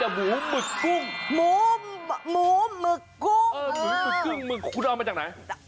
หมูหมึกกึ้งคุณเอามาจากไหน